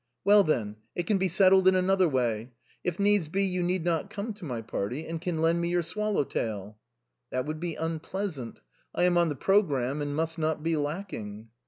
" Well, then, it can be settled in another way. If needs be, you need not come to my party, and can lend me your swallow tail." " That would be unpleasant ; I am on the programme and must not be lacking."